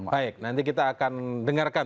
baik nanti kita akan dengarkan